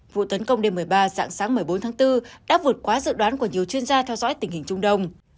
vụ tấn công đêm một mươi ba dạng sáng một mươi bốn tháng bốn đã vượt quá dự đoán của nhiều chuyên gia theo dõi tình hình trung đông